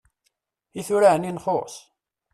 I tura ɛni nxus!